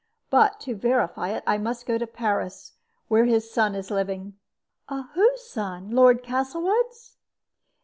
But to verify it I must go to Paris, where his son is living." "Whose son? Lord Castlewood's?"